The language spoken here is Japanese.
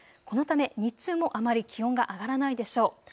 このため日中もあまり気温が上がらないでしょう。